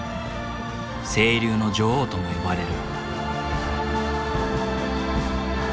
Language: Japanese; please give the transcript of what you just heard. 清流の女王とも呼ばれる。